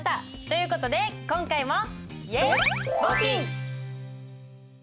という事で今回も。